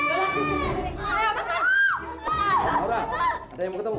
aura ada yang mau ketemu